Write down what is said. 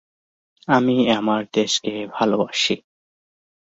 সম্পূর্ণ উপজেলার প্রশাসনিক কার্যক্রম চাটখিল থানার আওতাধীন।